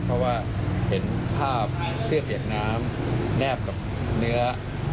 เพราะว่าเห็นภาพเสื้อเปียกน้ำแนบกับเนื้อ